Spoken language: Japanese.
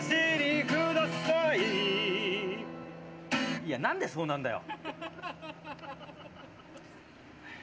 いや、何でそうなるんだよ！